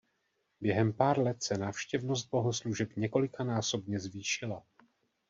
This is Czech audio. Během pár let se návštěvnost bohoslužeb několikanásobně zvýšila.